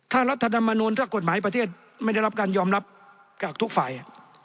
ถ้ารัฐธรรมนูลถ้ากฎหมายประเทศไม่ได้รับการยอมรับจากทุกฝ่าย